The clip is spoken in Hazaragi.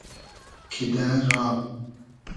کیدۂ را